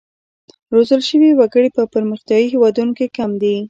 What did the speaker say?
روزل شوي وګړي په پرمختیايي هېوادونو کې کم دي.